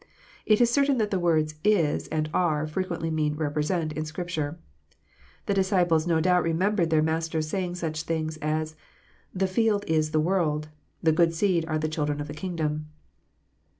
It is certain that the words " is " and "arc" frequently mean "represent" in Scripture. The disciples no doubt remembered their Master saying such things as " The field is the world, the good seed are the children of the kingdom."